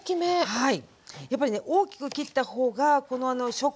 はい。